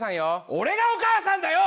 俺がお母さんだよ！